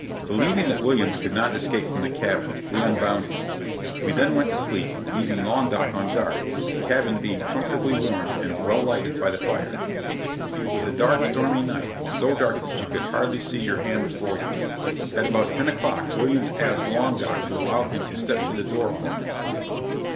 Believing that Williams could not escape from the cabin, we unbound him. We then went to sleep, leaving Long Doc on guard, the cabin being comfortably warmed and well lighted by the fire. It was a dark, stormy night so dark that you could hardly see your hand before you. At about ten o'clock, Williams asked Long Doc to allow him to step to the door for a moment.